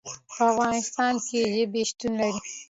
په افغانستان کې ژبې شتون لري.